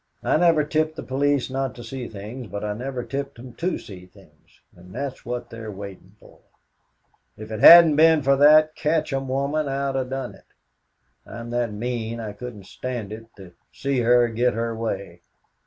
I never tipped the police not to see things, but I never tipped 'em to see 'em, and that's what they was waitin' for. If it hadn't been for that Katcham woman, I'd 'a' done it. I'm that mean I couldn't stand it to see her get her way.